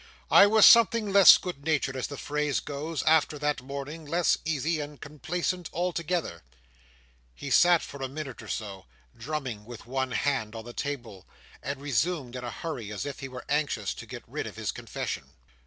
I was something less good natured, as the phrase goes, after that morning, less easy and complacent altogether." He sat for a minute or so, drumming with one hand on the table; and resumed in a hurry, as if he were anxious to get rid of his confession.